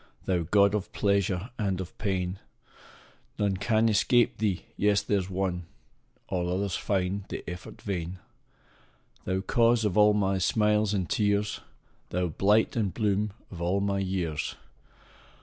Thou god of pleasure and of pain ! None can escape thee yes there s one All others find the effort vain : Thou cause of all my smiles and tears ! Thou blight and bloom of all my years ! 70 LINES.